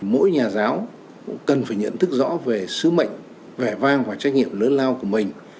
mỗi nhà giáo cũng cần phải nhận thức rõ về sứ mệnh vẻ vang và trách nhiệm lớn lao của mình